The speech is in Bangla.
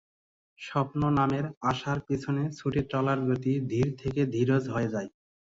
স্বপ্ন নামের আশার পেছনে ছুটে চলার গতি ধীর থেকে ধীরজ হয়ে যায়।